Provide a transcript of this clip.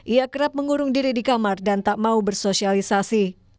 ia kerap mengurung diri di kamar dan tak mau bersosialisasi